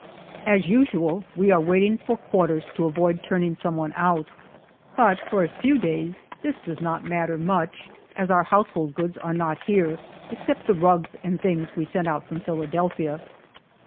As usual, we are waiting for quarters to avoid turning some one out. But for a few days this does not matter much, as our household goods are not here, except the rugs and things we sent out from Philadelphia.